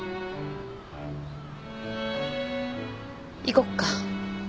行こっか。